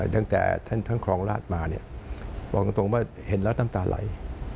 ตั้งแต่ท่านท่านครองราชมาบอกจริงว่าเห็นแล้วน้ำตาไหล